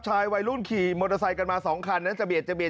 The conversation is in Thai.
วัยรุ่นขี่มอเตอร์ไซค์กันมา๒คันนะจะเบียดจะเบียด